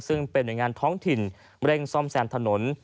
ซึ่งเป็นหน่วยงานท้องถิ่นเร่งซ่อมแซมถนน